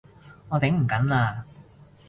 我頂唔緊喇！